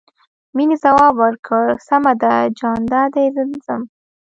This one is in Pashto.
مينې ځواب ورکړ سمه ده جان دادی زه ځم.